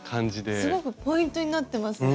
すごくポイントになってますね。